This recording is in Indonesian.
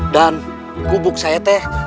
dan gubuk saya teh